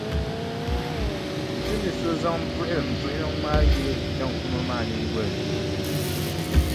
Di tu ni so zaŋ buɣilimbuɣiliŋ maa yili jaŋkuno maa nyiŋgoli ni.